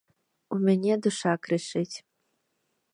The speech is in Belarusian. У мяне душа крычыць!